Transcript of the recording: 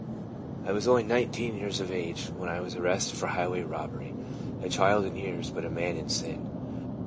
I WAS only nineteen years of age when I was arrested for highway robbery a child in years, but a man in sin.